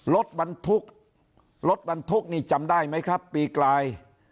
รถบรรทุกรถบรรทุกนี่จำได้ไหมครับปีกลาย